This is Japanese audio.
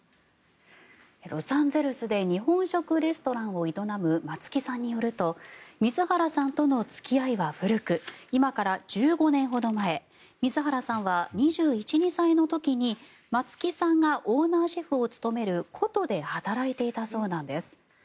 ロサンゼルスで日本食レストランを営む松木さんによると水原さんとの付き合いは古く今から１５年ほど前水原さんは２１２２歳の時に松木さんがオーナーシェフを務める古都で働いていたそうなんです。